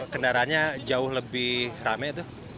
kendaranya jauh lebih ramai